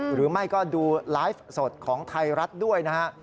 หรือไม่ก็ดูไลฟ์สดของไทยรัฐด้วยนะฮะ